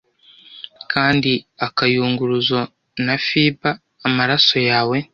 Kandi Akayunguruzo na fiber amaraso yawe.